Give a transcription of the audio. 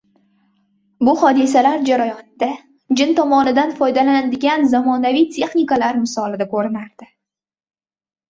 Bu hodisalar jarayonida Jin tomonidan foydalaniladigan zamonaviy teknikalar misolida ko`rinadi